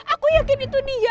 aku yakin itu dia